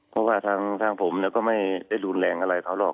เพราะว่าทางผมก็ไม่ได้รุนแรงอะไรเขาหรอก